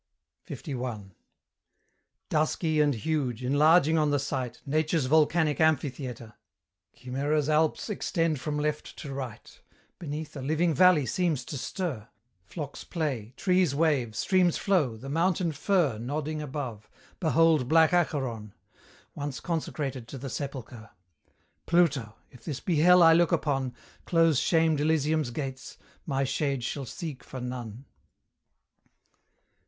LI. Dusky and huge, enlarging on the sight, Nature's volcanic amphitheatre, Chimera's alps extend from left to right: Beneath, a living valley seems to stir; Flocks play, trees wave, streams flow, the mountain fir Nodding above; behold black Acheron! Once consecrated to the sepulchre. Pluto! if this be hell I look upon, Close shamed Elysium's gates, my shade shall seek for none.